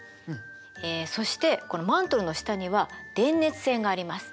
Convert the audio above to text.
えそしてこのマントルの下には電熱線があります。